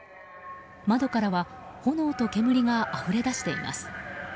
窓からは炎と煙があふれ出しています。